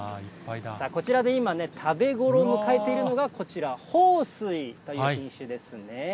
こちらで今、食べ頃を迎えているのがこちら、豊水という品種ですね。